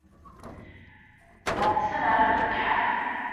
What's the matter with the cat?